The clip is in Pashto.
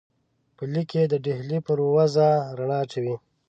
په لیک کې د ډهلي پر وضع رڼا اچوي.